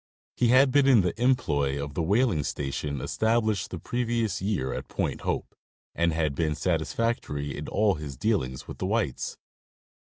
He had been in the employ of the whaling station established the previous year at Point Hope, and had been satis factory in all his dealings with the whites.